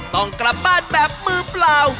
ต้องกลับบ้านแบบมือเปล่า